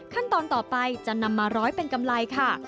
ขั้นตอนต่อไปจะนำมาร้อยเป็นกำไรค่ะ